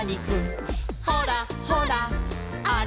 「ほらほらあれあれ」